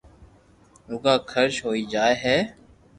روگا خرچ ھوئي جائي ھي